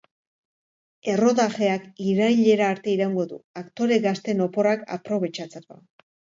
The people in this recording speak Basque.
Errodajeak irailera arte iraungo du, aktore gazteen oporrak aprobetxatzeko.